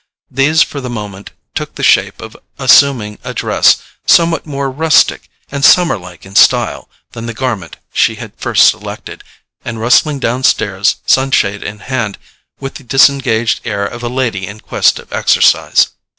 These, for the moment, took the shape of assuming a dress somewhat more rustic and summerlike in style than the garment she had first selected, and rustling downstairs, sunshade in hand, with the disengaged air of a lady in quest of exercise.